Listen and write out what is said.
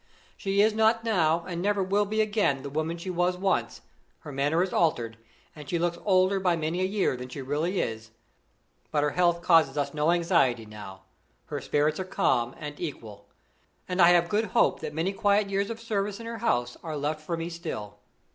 She is not now, and never will be again, the woman she was once; her manner is altered, and she looks older by many a year than she really is. But her health causes us no anxiety now; her spirits are calm and equal, and I have good hope that many quiet years of service in her house are left for me still.